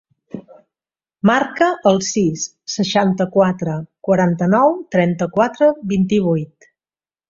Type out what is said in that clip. Marca el sis, seixanta-quatre, quaranta-nou, trenta-quatre, vint-i-vuit.